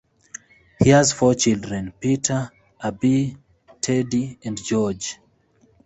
He has four children, Peter, Abby, Teddy and George.